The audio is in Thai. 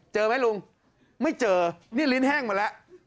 เจอไหมลุงไม่เจอนี่ลิ้นแห้งมาแล้ว